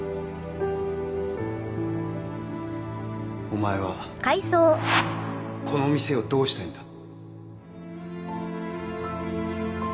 お前はこの店をどうしたいんだ。